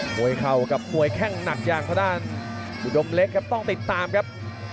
เข่ากับมวยแข้งหนักอย่างทางด้านอุดมเล็กครับต้องติดตามครับ